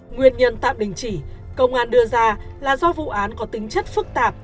nguyên nhân tạm đình chỉ công an đưa ra là do vụ án có tính chất phức tạp